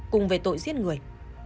cùng về tội giết người